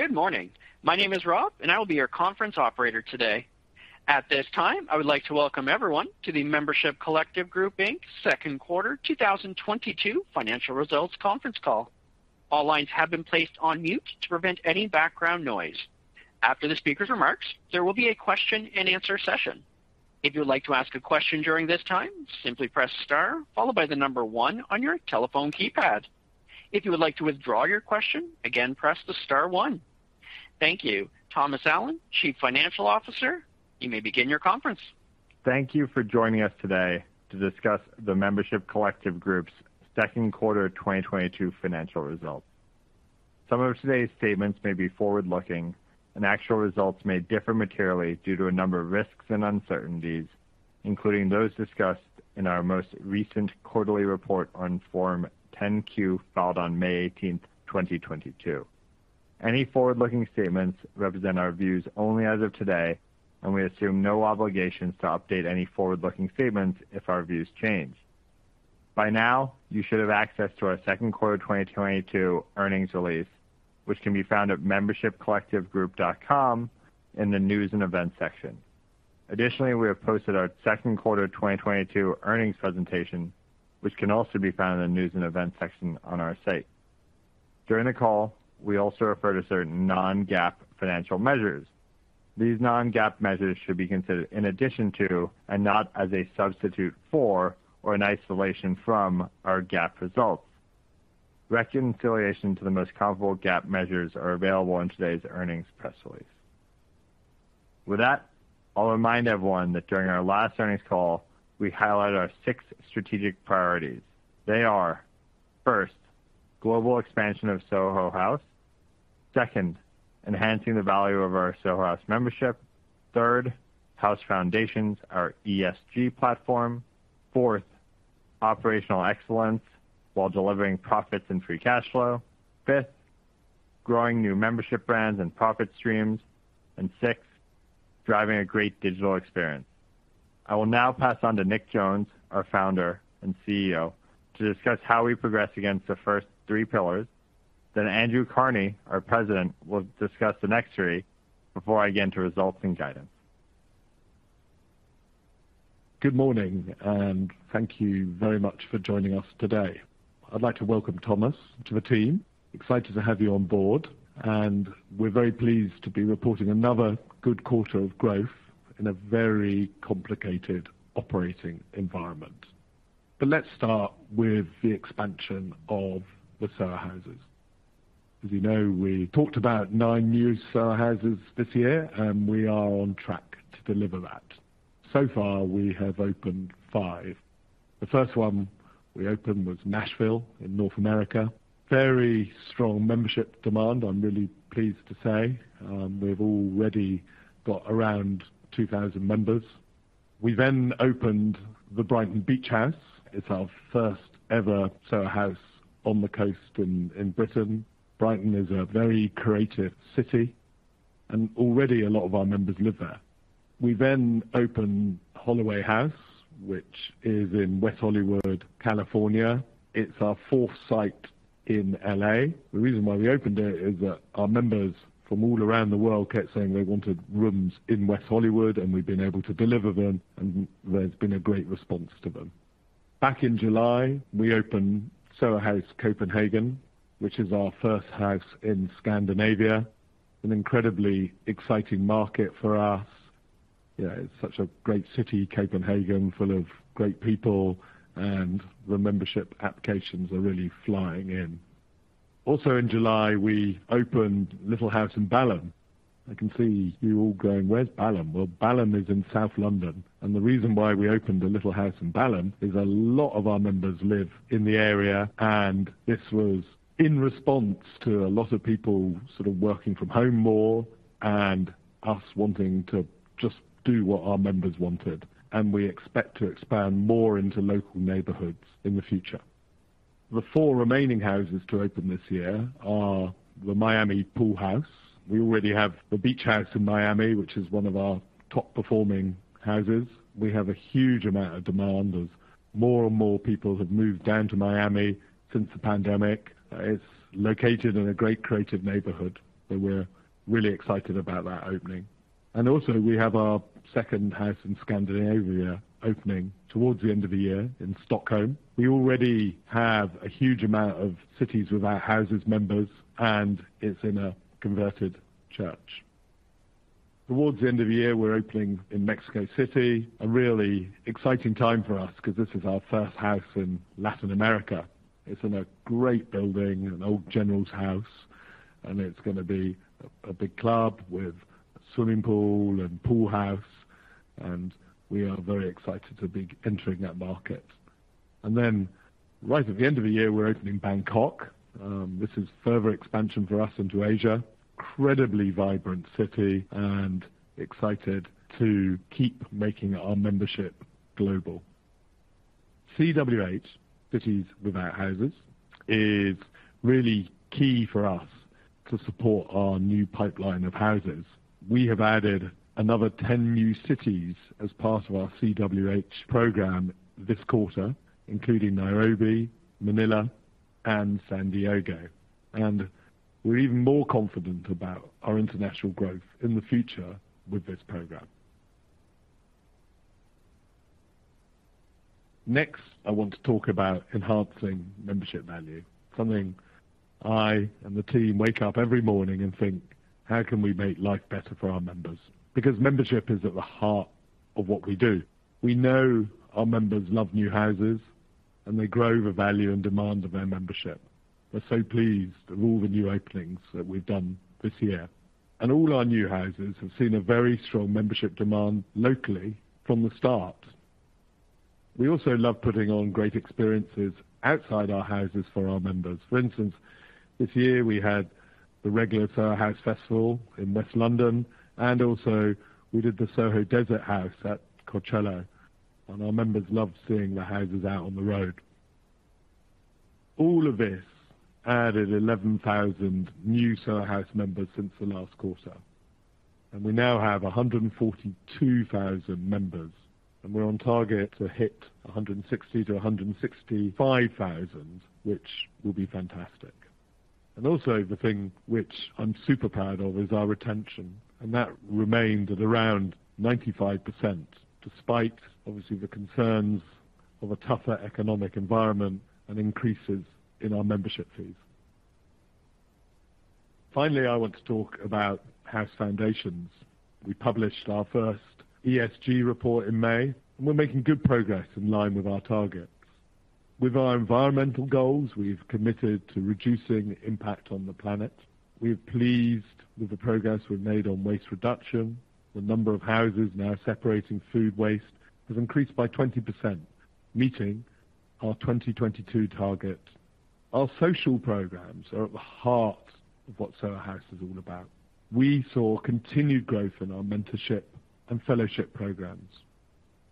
Good morning. My name is Rob, and I will be your conference operator today. At this time, I would like to welcome everyone to the Membership Collective Group Inc.'s second quarter 2022 financial results conference call. All lines have been placed on mute to prevent any background noise. After the speaker's remarks, there will be a question-and-answer session. If you would like to ask a question during this time, simply press star followed by the number one on your telephone keypad. If you would like to withdraw your question, again press star one. Thank you. Thomas Allen, Chief Financial Officer, you may begin your conference. Thank you for joining us today to discuss the Membership Collective Group's second quarter 2022 financial results. Some of today's statements may be forward-looking and actual results may differ materially due to a number of risks and uncertainties, including those discussed in our most recent quarterly report on Form 10-Q filed on May 18th, 2022. Any forward-looking statements represent our views only as of today, and we assume no obligations to update any forward-looking statements if our views change. By now, you should have access to our second quarter 2022 earnings release, which can be found at membershipcollectivegroup.com in the News and Events section. Additionally, we have posted our second quarter 2022 earnings presentation, which can also be found in the News and Events section on our site. During the call, we also refer to certain non-GAAP financial measures. These non-GAAP measures should be considered in addition to, and not as a substitute for or in isolation from, our GAAP results. Reconciliation to the most comparable GAAP measures are available in today's earnings press release. With that, I'll remind everyone that during our last earnings call, we highlighted our six strategic priorities. They are, first, global expansion of Soho House. Second, enhancing the value of our Soho House membership. Third, House Foundations, our ESG platform. Fourth, operational excellence while delivering profits and free cash flow. Fifth, growing new membership brands and profit streams. And sixth, driving a great digital experience. I will now pass on to Nick Jones, our founder and CEO, to discuss how we progress against the first three pillars. Andrew Carnie, our president, will discuss the next three before I get into results and guidance. Good morning and thank you very much for joining us today. I'd like to welcome Thomas to the team. Excited to have you on board, and we're very pleased to be reporting another good quarter of growth in a very complicated operating environment. Let's start with the expansion of the Soho Houses. As you know, we talked about nine new Soho Houses this year, and we are on track to deliver that. So far we have opened five. The first one we opened was Nashville in North America. Very strong membership demand, I'm really pleased to say. We've already got around 2,000 members. We then opened the Brighton Beach House. It's our first ever Soho House on the coast in Britain. Brighton is a very creative city and already a lot of our members live there. We then opened Holloway House, which is in West Hollywood, California. It's our fourth site in L.A. The reason why we opened it is that our members from all around the world kept saying they wanted rooms in West Hollywood, and we've been able to deliver them, and there's been a great response to them. Back in July, we opened Soho House Copenhagen, which is our first house in Scandinavia, an incredibly exciting market for us. You know, it's such a great city, Copenhagen, full of great people, and the membership applications are really flying in. Also in July, we opened Little House in Balham. I can see you all going, "Where's Balham?" Well, Balham is in South London. The reason why we opened a Little House Balham is a lot of our members live in the area, and this was in response to a lot of people sort of working from home more and us wanting to just do what our members wanted. We expect to expand more into local neighborhoods in the future. The four remaining houses to open this year are the Miami Pool House. We already have the Beach House in Miami, which is one of our top-performing houses. We have a huge amount of demand as more and more people have moved down to Miami since the pandemic. It's located in a great creative neighborhood, so we're really excited about that opening. We have our second house in Scandinavia opening towards the end of the year in Stockholm. We already have a huge amount of Cities Without Houses members, and it's in a converted church. Towards the end of the year, we're opening in Mexico City. A really exciting time for us because this is our first house in Latin America. It's in a great building, an old general's house, and it's gonna be a big club with a swimming pool and pool house, and we are very excited to be entering that market. Right at the end of the year, we're opening Bangkok. This is further expansion for us into Asia. Incredibly vibrant city and excited to keep making our membership global. CWH, Cities Without Houses, is really key for us to support our new pipeline of houses. We have added another 10 new cities as part of our CWH program this quarter, including Nairobi, Manila, and San Diego. We're even more confident about our international growth in the future with this program. Next, I want to talk about enhancing membership value, something I and the team wake up every morning and think, "How can we make life better for our members?" Because membership is at the heart of what we do. We know our members love new houses, and they grow the value and demand of their membership. We're so pleased with all the new openings that we've done this year, and all our new houses have seen a very strong membership demand locally from the start. We also love putting on great experiences outside our houses for our members. For instance, this year we had the regular Soho House Festival in West London, and also we did the Soho Desert House at Coachella, and our members loved seeing the houses out on the road. All of this added 11,000 new Soho House members since the last quarter, and we now have 142,000 members, and we're on target to hit 160,000-165,000, which will be fantastic. Also the thing which I'm super proud of is our retention, and that remained at around 95%, despite obviously the concerns of a tougher economic environment and increases in our membership fees. Finally, I want to talk about House Foundations. We published our first ESG report in May, and we're making good progress in line with our targets. With our environmental goals, we've committed to reducing impact on the planet. We're pleased with the progress we've made on waste reduction. The number of houses now separating food waste has increased by 20%, meeting our 2022 target. Our social programs are at the heart of what Soho House is all about. We saw continued growth in our mentorship and fellowship programs,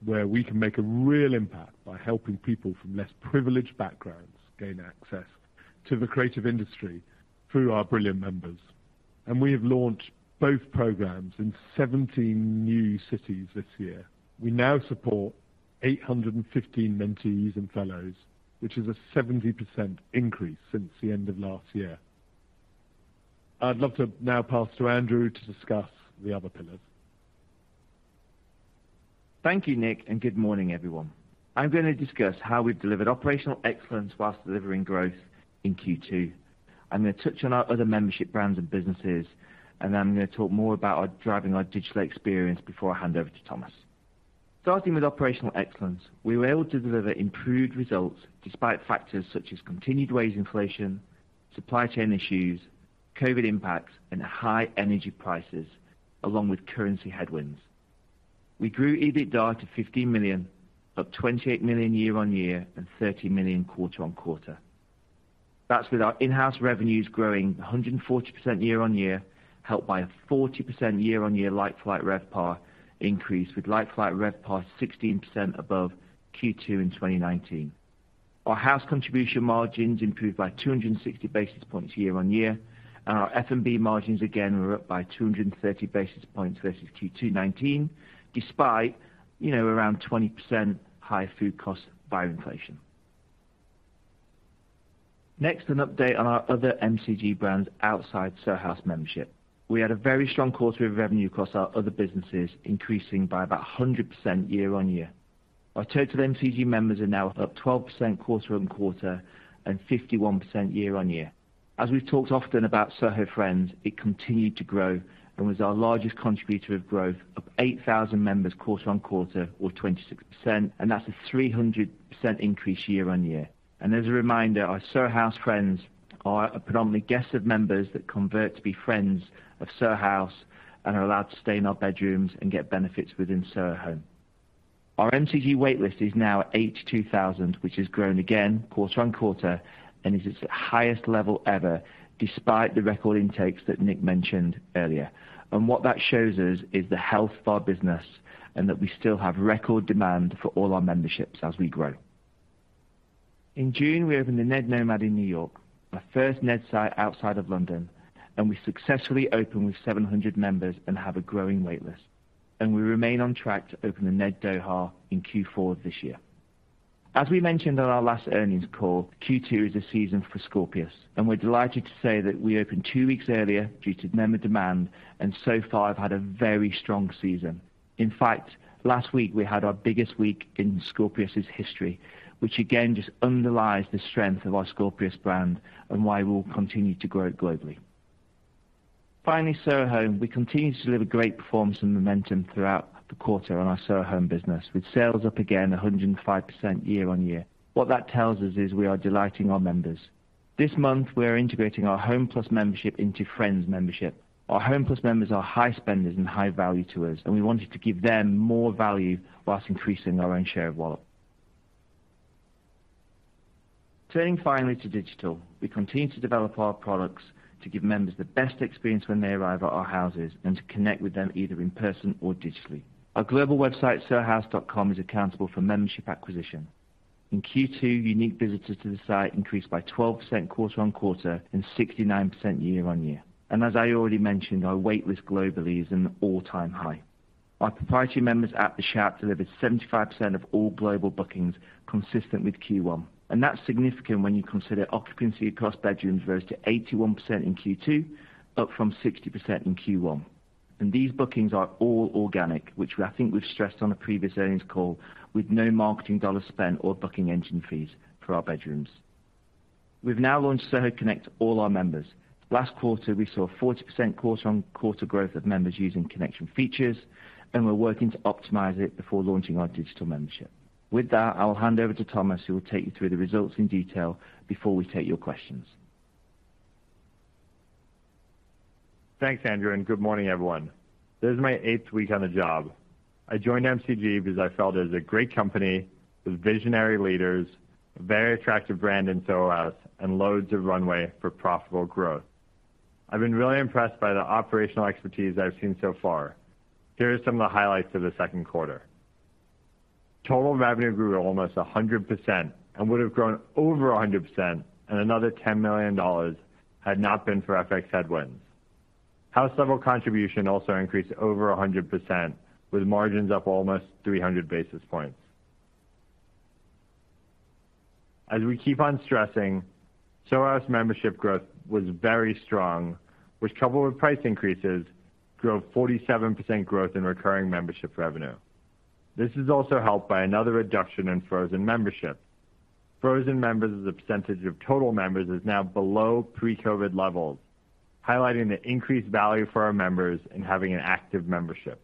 where we can make a real impact by helping people from less privileged backgrounds gain access to the creative industry through our brilliant members. We have launched both programs in 17 new cities this year. We now support 815 mentees and fellows, which is a 70% increase since the end of last year. I'd love to now pass to Andrew to discuss the other pillars. Thank you, Nick, and good morning, everyone. I'm gonna discuss how we've delivered operational excellence while delivering growth in Q2. I'm gonna touch on our other membership brands and businesses, and then I'm gonna talk more about driving our digital experience before I hand over to Thomas. Starting with operational excellence, we were able to deliver improved results despite factors such as continued wage inflation, supply chain issues, COVID impacts, and high energy prices along with currency headwinds. We grew EBITDA to $50 million, up $28 million year-over-year and $30 million quarter-over-quarter. That's with our in-house revenues growing 140% year-over-year, helped by a 40% year-over-year like-for-like RevPAR increase with like-for-like RevPAR 16% above Q2 in 2019. Soho House contribution margins improved by 260 basis points year-on-year, and our F&B margins again were up by 230 basis points versus Q2 2019 despite, you know, around 20% higher food costs via inflation. Next, an update on our other MCG brands outside Soho House membership. We had a very strong quarter of revenue across our other businesses, increasing by about 100% year-on-year. Our total MCG members are now up 12% quarter-on-quarter and 51% year-on-year. As we've talked often about Soho Friends, it continued to grow and was our largest contributor of growth, up 8,000 members quarter-on-quarter or 26%, and that's a 300% increase year-on-year. As a reminder, our Soho Friends are predominantly guests of members that convert to be friends of Soho House and are allowed to stay in our bedrooms and get benefits within Soho Home. Our MCG waitlist is now 82,000, which has grown again quarter-on-quarter and is its highest level ever despite the record intakes that Nick mentioned earlier. What that shows us is the health of our business and that we still have record demand for all our memberships as we grow. In June, we opened the Ned NoMad in New York, our first Ned site outside of London, and we successfully opened with 700 members and have a growing waitlist. We remain on track to open the Ned Doha in Q4 this year. As we mentioned on our last earnings call, Q2 is a season for Scorpios, and we're delighted to say that we opened two weeks earlier due to member demand, and so far have had a very strong season. In fact, last week we had our biggest week in Scorpios' history, which again just underlines the strength of our Scorpios brand and why we'll continue to grow globally. Finally, Soho Home. We continue to deliver great performance and momentum throughout the quarter on our Soho Home business, with sales up again 105% year-on-year. What that tells us is we are delighting our members. This month, we are integrating our Home+ membership into Friends membership. Our Home+ members are high spenders and high value to us, and we wanted to give them more value while increasing our own share of wallet. Turning finally to digital. We continue to develop our products to give members the best experience when they arrive at our houses and to connect with them either in person or digitally. Our global website, sohohouse.com, is accountable for membership acquisition. In Q2, unique visitors to the site increased by 12% quarter-on-quarter and 69% year-on-year. As I already mentioned, our waitlist globally is an all-time high. Our proprietary members app, SH.APP, delivered 75% of all global bookings consistent with Q1. That's significant when you consider occupancy across bedrooms rose to 81% in Q2, up from 60% in Q1. These bookings are all organic, which I think we've stressed on a previous earnings call, with no marketing dollar spent or booking engine fees for our bedrooms. We've now launched Soho Connect to all our members. Last quarter, we saw a 40% quarter-on-quarter growth of members using connection features, and we're working to optimize it before launching our digital membership. With that, I'll hand over to Thomas, who will take you through the results in detail before we take your questions. Thanks, Andrew, and good morning, everyone. This is my eighth week on the job. I joined MCG because I felt it was a great company with visionary leaders, a very attractive brand in Soho's, and loads of runway for profitable growth. I've been really impressed by the operational expertise I've seen so far. Here are some of the highlights of the second quarter. Total revenue grew almost 100% and would have grown over 100% and another $10 million had not been for FX headwinds. House level contribution also increased over 100%, with margins up almost 300 basis points. As we keep on stressing, Soho's membership growth was very strong, which coupled with price increases, drove 47% growth in recurring membership revenue. This is also helped by another reduction in frozen membership. Frozen members as a percentage of total members is now below pre-COVID levels, highlighting the increased value for our members in having an active membership.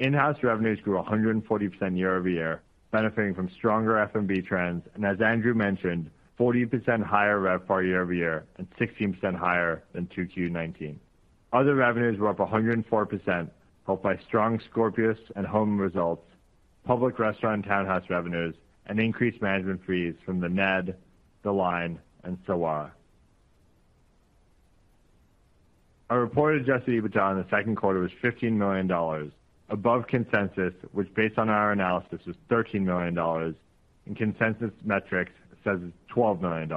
In-house revenues grew 140% year-over-year, benefiting from stronger F&B trends, and as Andrew mentioned, 40% higher RevPAR year-over-year and 16% higher than 2Q 2019. Other revenues were up 104%, helped by strong Scorpios, Soho Home results, public restaurant and townhouse revenues, and increased management fees from The Ned, The LINE, and Soho. Our reported adjusted EBITDA in the second quarter was $15 million above consensus, which based on our analysis, was $13 million, and consensus metrics says it's $12 million.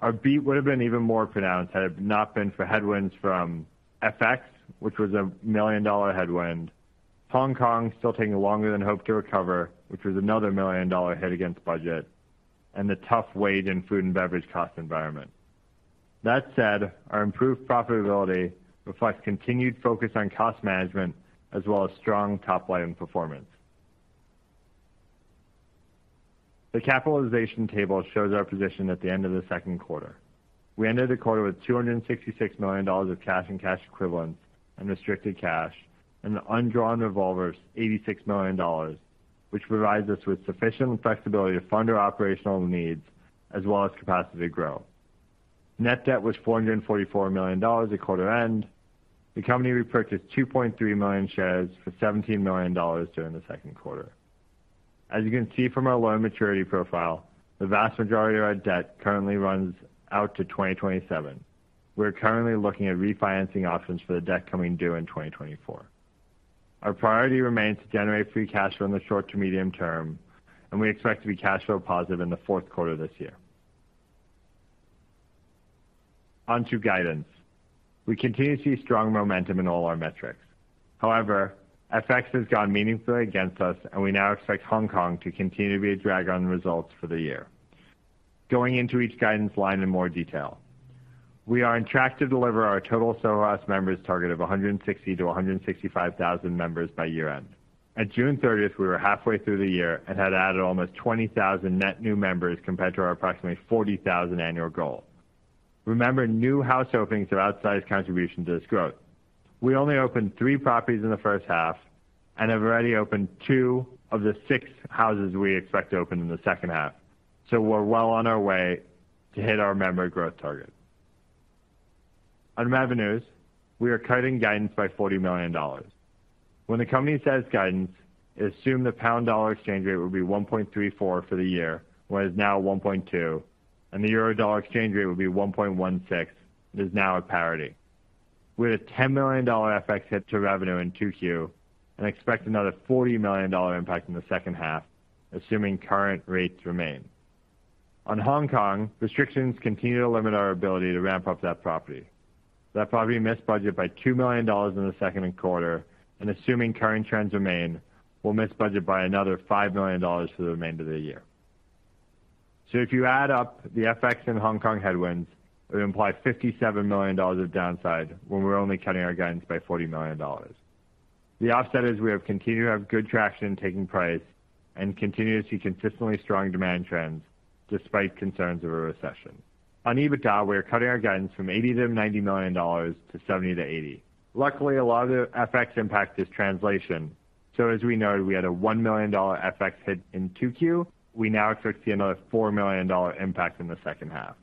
Our beat would have been even more pronounced had it not been for headwinds from FX, which was a million-dollar headwind, Hong Kong still taking longer than hoped to recover, which was another million-dollar headwind against budget, and the tough wage and food and beverage cost environment. That said, our improved profitability reflects continued focus on cost management as well as strong top-line performance. The capitalization table shows our position at the end of the second quarter. We ended the quarter with $266 million of cash and cash equivalents and restricted cash, and the undrawn revolvers $86 million, which provides us with sufficient flexibility to fund our operational needs as well as capacity to grow. Net debt was $444 million at quarter end. The company repurchased 2.3 million shares for $17 million during the second quarter. As you can see from our loan maturity profile, the vast majority of our debt currently runs out to 2027. We're currently looking at refinancing options for the debt coming due in 2024. Our priority remains to generate free cash flow in the short to medium term, and we expect to be cash flow positive in the fourth quarter of this year. On to guidance. We continue to see strong momentum in all our metrics. However, FX has gone meaningfully against us, and we now expect Hong Kong to continue to be a drag on results for the year. Going into each guidance line in more detail. We are on track to deliver our total Soho's members target of 160,000-165,000 members by year-end. At June 13th, we were halfway through the year and had added almost 20,000 net new members compared to our approximately 40,000 annual goal. Remember, new house openings are outsized contribution to this growth. We only opened three properties in the first half and have already opened two of the six houses we expect to open in the second half. We're well on our way to hit our member growth target. On revenues, we are cutting guidance by $40 million. When the company sets guidance, it assumed the pound dollar exchange rate would be 1.34 for the year, when it's now 1.2, and the euro dollar exchange rate would be 1.16, and is now at parity. We had a $10 million FX hit to revenue in 2Q, and expect another $40 million impact in the second half, assuming current rates remain. On Hong Kong, restrictions continue to limit our ability to ramp up that property. That property missed budget by $2 million in the second quarter, and assuming current trends remain, will miss budget by another $5 million for the remainder of the year. If you add up the FX and Hong Kong headwinds, it would imply $57 million of downside when we're only cutting our guidance by $40 million. The offset is we have continued to have good traction in taking price and continue to see consistently strong demand trends despite concerns of a recession. On EBITDA, we are cutting our guidance from $80 million-$90 million to $70 million-$80 million. Luckily, a lot of the FX impact is translation. As we noted, we had a $1 million FX hit in Q2. We now expect to see another $4 million impact in the second half.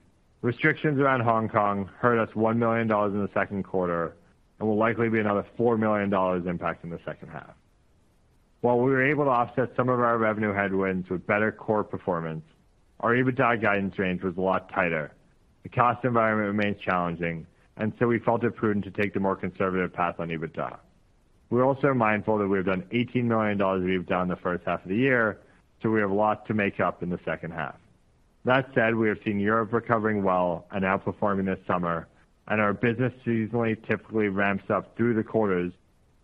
Restrictions around Hong Kong hurt us $1 million in the second quarter and will likely be another $4 million impact in the second half. While we were able to offset some of our revenue headwinds with better core performance, our EBITDA guidance range was a lot tighter. The cost environment remains challenging, and so we felt it prudent to take the more conservative path on EBITDA. We're also mindful that we have done $18 million of EBITDA in the first half of the year, so we have a lot to make up in the second half. That said, we have seen Europe recovering well and outperforming this summer, and our business seasonally typically ramps up through the quarters,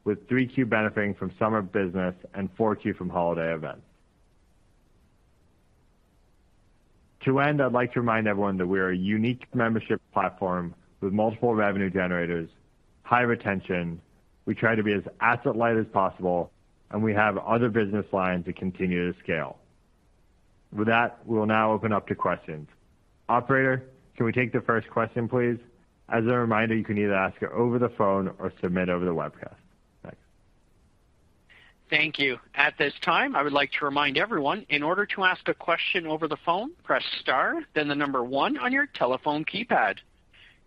with Q3 benefiting from summer business and Q4 from holiday events. To end, I'd like to remind everyone that we are a unique membership platform with multiple revenue generators. High retention. We try to be as asset-light as possible, and we have other business lines that continue to scale. With that, we'll now open up to questions. Operator, can we take the first question, please? As a reminder, you can either ask it over the phone or submit over the webcast. Thanks. Thank you. At this time, I would like to remind everyone, in order to ask a question over the phone, press star then the number one on your telephone keypad.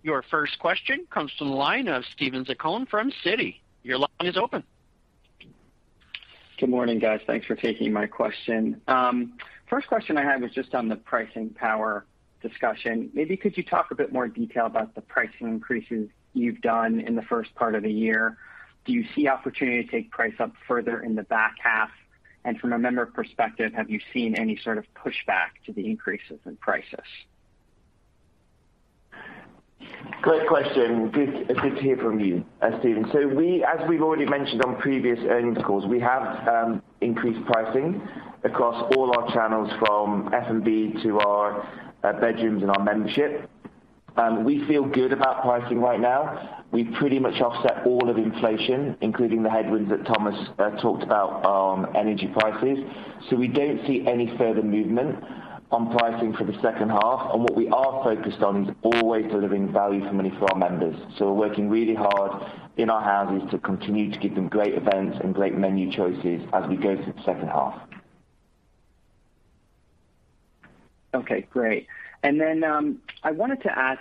Your first question comes from the line of Steven Zaccone from Citi. Your line is open. Good morning, guys. Thanks for taking my question. First question I had was just on the pricing power discussion. Maybe could you talk a bit more detail about the pricing increases you've done in the first part of the year? Do you see opportunity to take price up further in the back half? And from a member perspective, have you seen any sort of pushback to the increases in prices? Great question. Good, good to hear from you, Steven. As we've already mentioned on previous earnings calls, we have increased pricing across all our channels, from F&B to our bedrooms and our membership. We feel good about pricing right now. We pretty much offset all of inflation, including the headwinds that Thomas talked about on energy prices. We don't see any further movement on pricing for the second half. What we are focused on is always delivering value for money for our members. We're working really hard in our houses to continue to give them great events and great menu choices as we go through the second half. Okay, great. I wanted to ask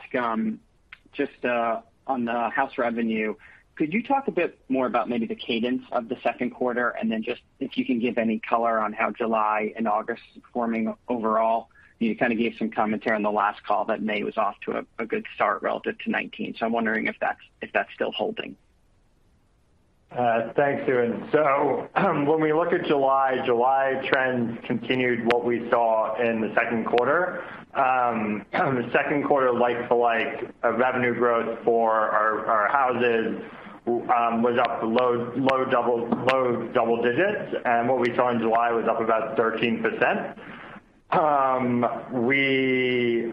just on the House revenue, could you talk a bit more about maybe the cadence of the second quarter and then just if you can give any color on how July and August are performing overall? You kind of gave some commentary on the last call that May was off to a good start relative to 2019, so I'm wondering if that's still holding. Thanks, Stephen. When we look at July trends continued what we saw in the second quarter. The second quarter like-for-like revenue growth for our houses was up low double digits, and what we saw in July was up about 13%. We've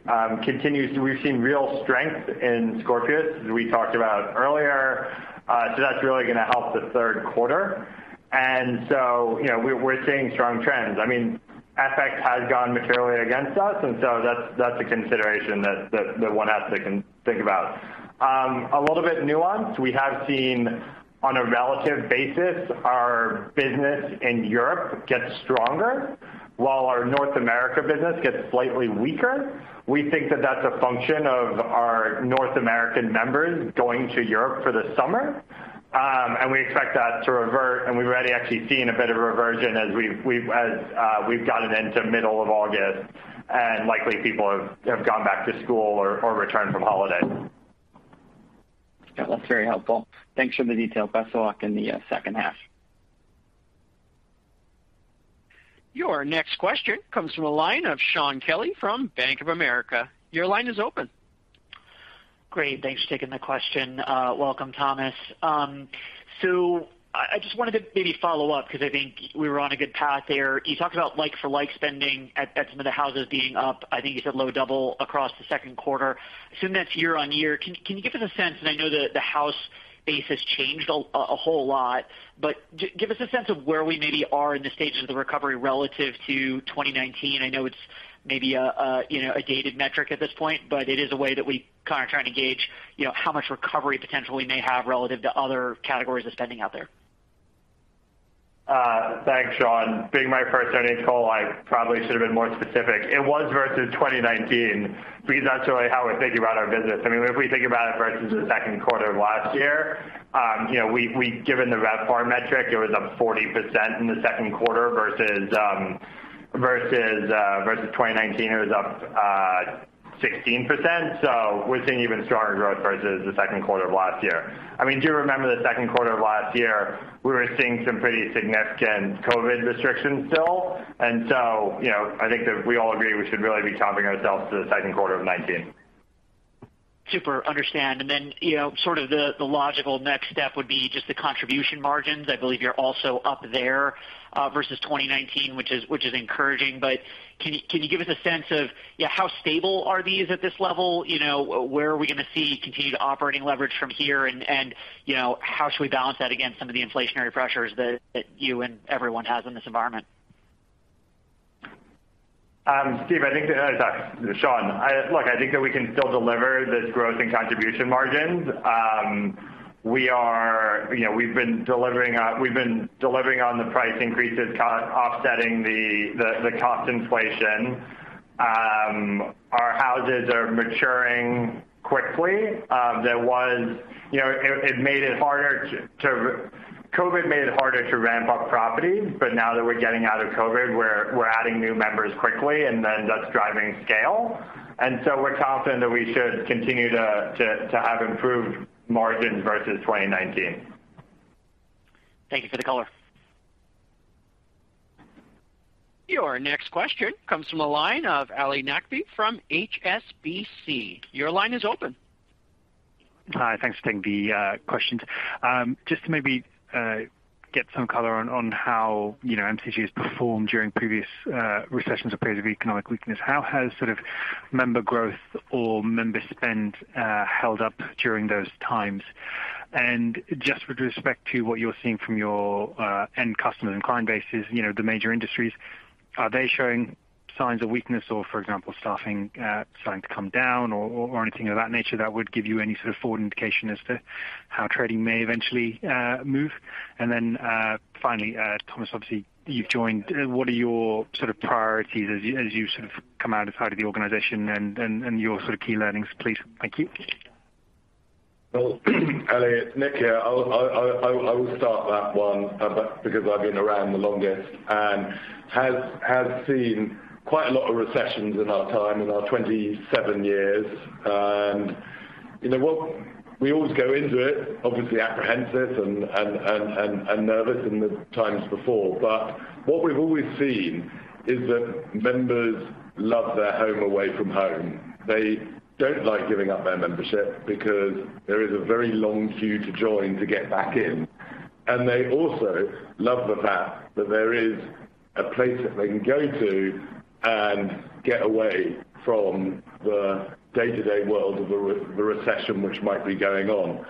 seen real strength in Scorpios, as we talked about earlier, so that's really gonna help the third quarter. You know, we're seeing strong trends. I mean, FX has gone materially against us, and that's a consideration that one has to think about. A little bit nuanced, we have seen, on a relative basis, our business in Europe get stronger while our North America business gets slightly weaker. We think that that's a function of our North American members going to Europe for the summer, and we expect that to revert, and we've already actually seen a bit of reversion as we've gotten into middle of August, and likely people have gone back to school or returned from holiday. Yeah, that's very helpful. Thanks for the detail. Best of luck in the second half. Your next question comes from the line of Shaun Kelley from Bank of America. Your line is open. Great. Thanks for taking the question. Welcome, Thomas. So I just wanted to maybe follow up because I think we were on a good path there. You talked about like-for-like spending at some of the houses being up, I think you said low double across the second quarter. Assume that's year-on-year. Can you give us a sense, and I know the house base has changed a whole lot, but give us a sense of where we maybe are in the stages of the recovery relative to 2019. I know it's maybe a you know a dated metric at this point, but it is a way that we kind of try and gauge, you know, how much recovery potential we may have relative to other categories of spending out there. Thanks, Shaun. Being my first earnings call, I probably should have been more specific. It was versus 2019, because that's really how we're thinking about our business. I mean, if we think about it versus the second quarter of last year, given the RevPAR metric, it was up 40% in the second quarter versus 2019, it was up 16%. We're seeing even stronger growth versus the second quarter of last year. I mean, do remember the second quarter of last year, we were seeing some pretty significant COVID restrictions still. I think that we all agree we should really be comparing ourselves to the second quarter of 2019. Super understand. You know, sort of the logical next step would be just the contribution margins. I believe you're also up there versus 2019, which is encouraging. Can you give us a sense of, you know, how stable are these at this level? You know, where are we gonna see continued operating leverage from here? You know, how should we balance that against some of the inflationary pressures that you and everyone has in this environment? Steven, Shaun, look, I think that we can still deliver this growth in contribution margins. We are, you know, we've been delivering on the price increases offsetting the cost inflation. Our houses are maturing quickly. COVID made it harder to ramp up properties, but now that we're getting out of COVID, we're adding new members quickly, and then that's driving scale. We're confident that we should continue to have improved margins versus 2019. Thank you for the color. Your next question comes from the line of Ali Naqvi from HSBC. Your line is open. Hi. Thanks for taking the questions. Just to maybe get some color on how you know MCG has performed during previous recessions or periods of economic weakness. How has sort of member growth or member spend held up during those times? Just with respect to what you're seeing from your end customers and client bases, you know, the major industries, are they showing signs of weakness or, for example, staffing starting to come down or anything of that nature that would give you any sort of forward indication as to how trading may eventually move? Then, finally, Thomas, obviously, you've joined. What are your sort of priorities as you sort of come inside the organization and your sort of key learnings, please? Thank you. Well, Ali Naqvi, Nick here. I'll start that one, but because I've been around the longest and have seen quite a lot of recessions in our time, in our 27 years. You know what? We always go into it, obviously apprehensive and nervous in the times before, but what we've always seen is that members love their home away from home. They don't like giving up their membership because there is a very long queue to join to get back in. They also love the fact that there is a place that they can go to and get away from the day-to-day world of the recession, which might be going on.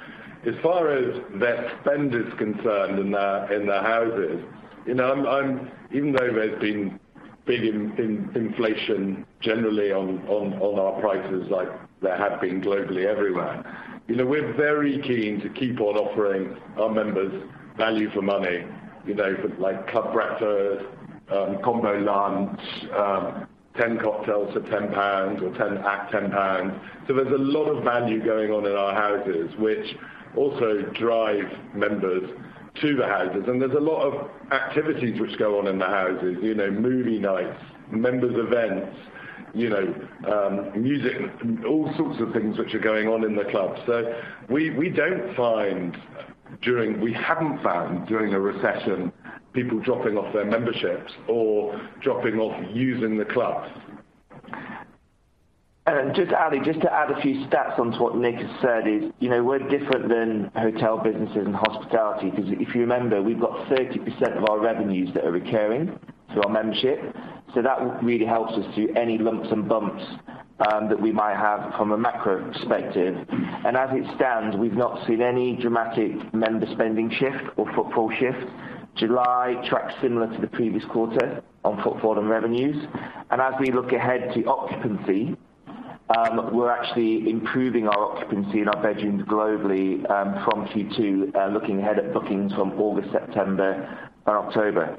As far as their spend is concerned in their houses, you know, I'm even though there's been big inflation generally on our prices like there have been globally everywhere, you know, we're very keen to keep on offering our members value for money, you know, for like club breakfast, combo lunch, 10 cocktails for 10 pounds or 10 at 10 pounds. There's a lot of value going on in our houses, which also drives members to the houses. There's a lot of activities which go on in the houses, you know, movie nights, members events, you know, music, all sorts of things which are going on in the club. We haven't found during a recession, people dropping off their memberships or dropping off using the clubs. Just Ali, just to add a few stats onto what Nick has said is, you know, we're different than hotel businesses and hospitality, 'cause if you remember, we've got 30% of our revenues that are recurring through our membership. That really helps us through any lumps and bumps, that we might have from a macro perspective. As it stands, we've not seen any dramatic member spending shift or footfall shift. July tracked similar to the previous quarter on footfall and revenues. As we look ahead to occupancy, we're actually improving our occupancy in our bedrooms globally, from Q2, looking ahead at bookings from August, September and October.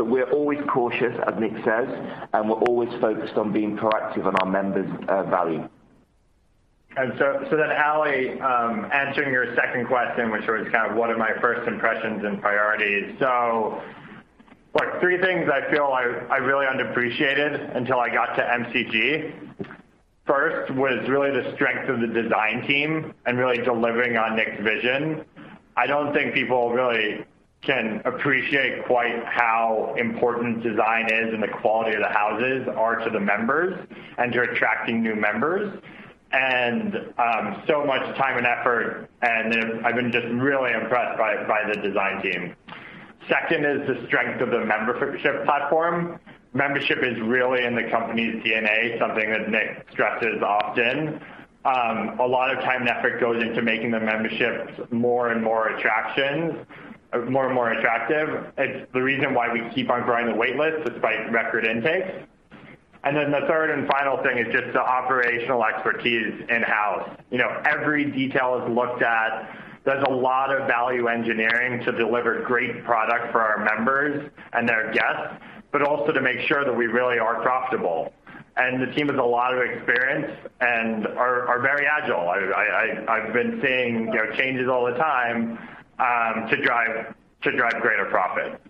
We're always cautious, as Nick says, and we're always focused on being proactive on our members', value. Ali, answering your second question, which was kind of what are my first impressions and priorities. Like, three things I feel I really underappreciated until I got to MCG. First, was really the strength of the design team and really delivering on Nick's vision. I don't think people really can appreciate quite how important design is and the quality of the houses are to the members and to attracting new members. So much time and effort, and I've been just really impressed by the design team. Second is the strength of the membership platform. Membership is really in the company's DNA, something that Nick stresses often. A lot of time and effort goes into making the memberships more and more attractive. It's the reason why we keep on growing the wait list despite record intakes. Then the third and final thing is just the operational expertise in-house. You know, every detail is looked at. There's a lot of value engineering to deliver great product for our members and their guests, but also to make sure that we really are profitable. The team has a lot of experience and are very agile. I've been seeing, you know, changes all the time to drive greater profit.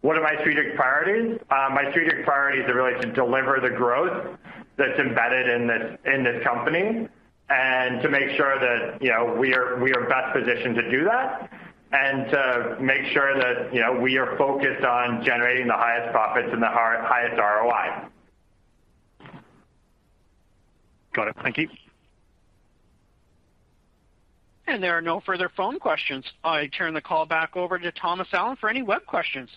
One of my strategic priorities, my strategic priority is really to deliver the growth that's embedded in this company and to make sure that, you know, we are best positioned to do that. To make sure that, you know, we are focused on generating the highest profits and the highest ROI. Got it. Thank you. There are no further phone questions. I turn the call back over to Thomas Allen for any web questions.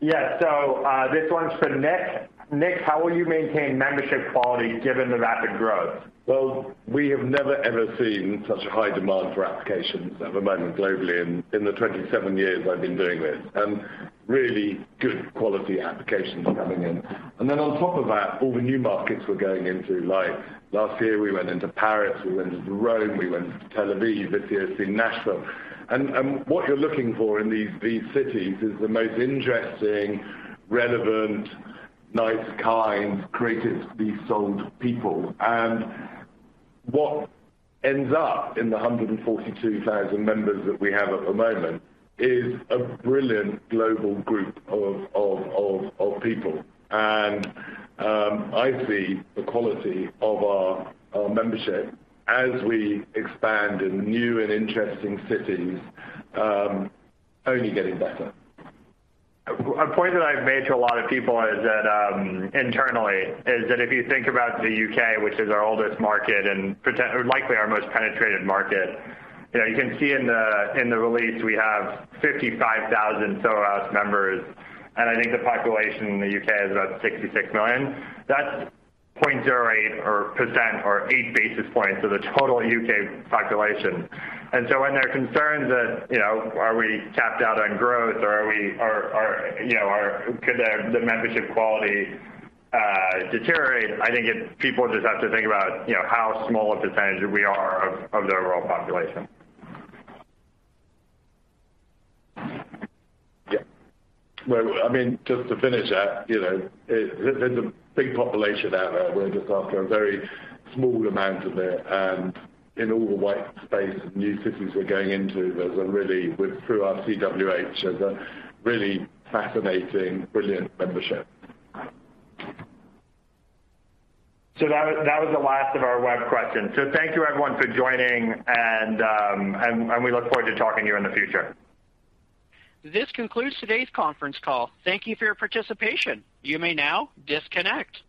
Yeah. This one's for Nick. Nick, how will you maintain membership quality given the rapid growth? Well, we have never, ever seen such high demand for applications at the moment globally in the 27 years I've been doing this, and really good quality applications coming in. On top of that, all the new markets we're going into, like last year we went into Paris, we went into Rome, we went to Tel Aviv, this year it's been Nashville. What you're looking for in these cities is the most interesting, relevant, nice, kind, creative soulful people. What ends up in the 142,000 members that we have at the moment is a brilliant global group of people. I see the quality of our membership as we expand in new and interesting cities only getting better. A point that I've made to a lot of people is that internally is that if you think about the U.K., which is our oldest market and likely our most penetrated market, you know, you can see in the release, we have 55,000 Soho House members. I think the population in the U.K. is about 66 million. That's 0.08% or 8 basis points of the total U.K. population. When there are concerns that, you know, are we capped out on growth or could the membership quality deteriorate, I think people just have to think about, you know, how small a percentage we are of the overall population. Yeah. Well, I mean, just to finish that, you know, there's a big population out there. We're just after a very small amount of it. In all the white space of new cities we're going into, through our CWH, there's a really fascinating, brilliant membership. That was the last of our web questions. Thank you everyone for joining, and we look forward to talking to you in the future. This concludes today's conference call. Thank you for your participation. You may now disconnect.